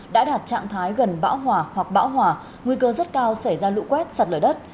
đã đạt trạng thái gần bão hỏa hoặc bão hỏa nguy cơ rất cao xảy ra lũ quét sặt lở đất